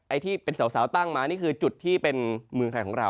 ที่เป็นสาวตั้งมานี่คือจุดที่เป็นเมืองไทยของเรา